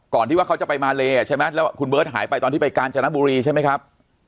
ที่ว่าเขาจะไปมาเลใช่ไหมแล้วคุณเบิร์ตหายไปตอนที่ไปกาญจนบุรีใช่ไหมครับ